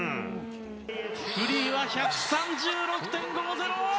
フリーは１３６．５０。